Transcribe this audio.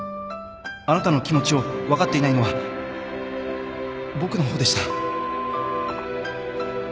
あなたの気持ちを分かっていないのは僕の方でした